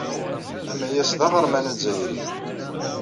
Amayas d aɣerman azzayri.